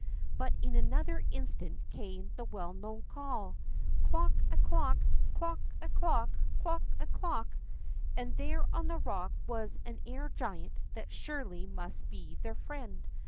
But in another instant came the well known call : Clook a clook ! Clock a clock ! Clook a clook !'' And there on the rock was an air giant that surely must be their friend.